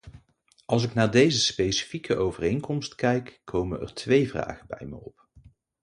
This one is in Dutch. Als ik naar deze specifieke overeenkomst kijkt, komen er twee vragen bij me op.